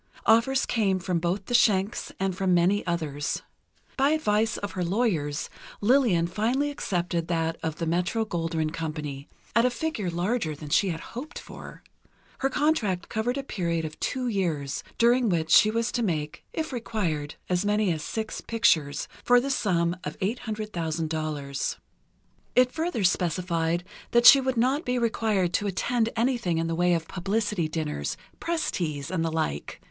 Offers came from both the Schencks, and from many others. By advice of her lawyers, Lillian finally accepted that of the Metro Goldwyn Company, at a figure larger than she had hoped for. Her contract covered a period of two years, during which she was to make, if required, as many as six pictures, for the sum of $800,000. It further specified that she would not be required to attend anything in the way of publicity dinners, press teas, and the like.